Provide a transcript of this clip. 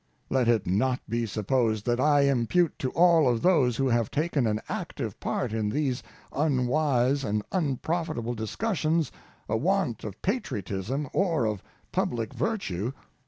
Let it not be supposed that I impute to all of those who have taken an active part in these unwise and unprofitable discussions a want of patriotism or of public virtue.